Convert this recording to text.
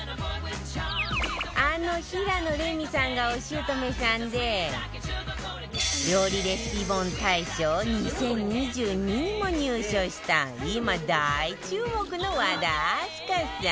あの平野レミさんがお姑さんで料理レシピ本大賞２０２２にも入賞した今大注目の和田明日香さん